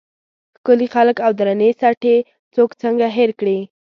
ښکلي خلک او درنې سټې څوک څنګه هېر کړي.